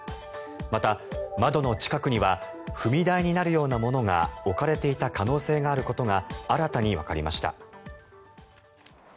また、窓の近くには踏み台になるようなものが置かれていた可能性があることが新たにわかりました。